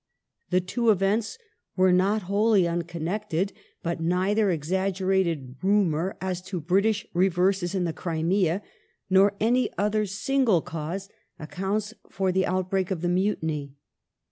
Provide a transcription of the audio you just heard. The two events were not wholly unconnected, but neither exaggerated rumour as to British reverses in the Crimea nor any other single cause accounts for the outbreak of the Mutiny.